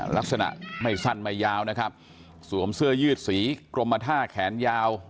ลักษณะไม่สั้นไม่ยาวนะครับสวมเสื้อยืดสีกรมท่าแขนยาว